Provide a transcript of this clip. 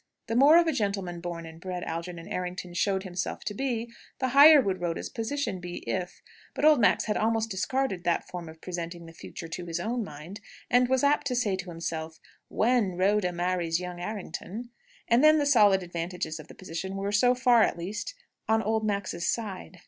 The more of a gentleman born and bred Algernon Errington showed himself to be, the higher would Rhoda's position be, if but old Max had almost discarded that form of presenting the future to his own mind; and was apt to say to himself, "when Rhoda marries young Errington." And then the solid advantages of the position were, so far at least, on old Max's side.